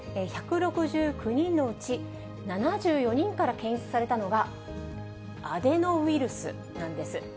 １６９人のうち７４人から検出されたのが、アデノウイルスなんです。